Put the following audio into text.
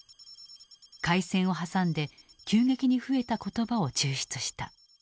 開戦を挟んで急激に増えた言葉を抽出した。